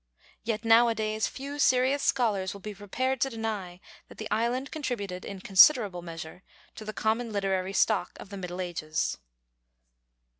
Yet, nowadays, few serious scholars will be prepared to deny that the island contributed in considerable measure to the common literary stock of the Middle Ages.